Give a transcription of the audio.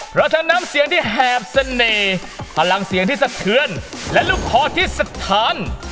ประทานนำเสียงที่แหบเสน่ห์พลังเสียงที่สะเทือนและลูกพอด์ที่สะทาน